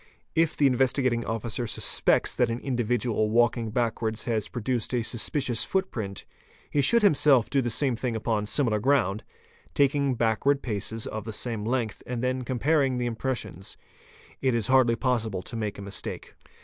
If the Investigating Officer suspects that an individual walking backwards has produced a suspicious footprint, he should himself do the same thing upon similar ground, taking backward paces of the same a length and then comparing the impressions: it 1s hardly possible to make — a mistake.